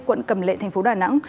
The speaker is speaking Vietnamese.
quận cầm lệ tp đà nẵng